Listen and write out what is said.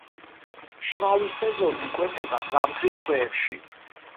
მშრალი სეზონი იკვეთება ზამთრის თვეებში.